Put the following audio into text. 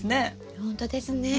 ほんとですね。